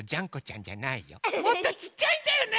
もっとちっちゃいんだよね。